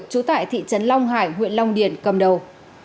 trú tại thị trấn long hải huyện long điền cầm đầu